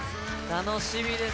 楽しみです。